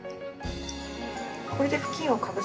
これで布巾をかぶせて。